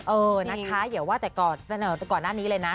เออนะคะอย่าว่าแต่ก่อนหน้านี้เลยนะ